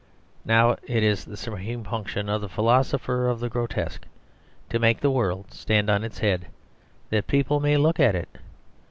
Now it is the supreme function of the philosopher of the grotesque to make the world stand on its head that people may look at it.